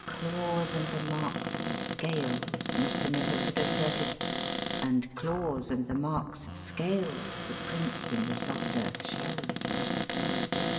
Claws and the marks of scales, Mr. Nippers had asserted; and claws and the marks of scales the prints in the soft earth showed.